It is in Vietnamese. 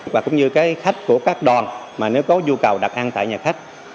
và cũng như khách của các đoàn nếu có nhu cầu đặt ăn tại nhà khách